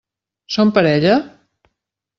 Són parella?